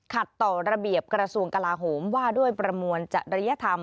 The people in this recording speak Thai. ขัดต่อระเบียบกรสูงกราโหมว่าด้วยประมวลจัดระยะธรรม